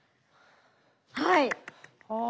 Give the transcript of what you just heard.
はい。